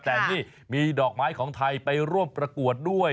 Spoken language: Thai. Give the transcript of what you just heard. แต่นี่มีดอกไม้ของไทยไปร่วมประกวดด้วย